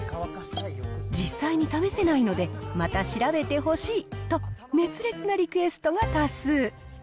実際に試せないので、また調べてほしいと、熱烈なリクエストが多数。